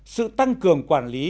sự tăng cường quản lý